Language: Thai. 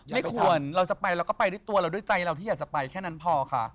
ไม่ควรเราจะไปเราก็ไปด้วยตัวเราด้วยใจเราที่อยากจะไปแค่นั้นพอค่ะ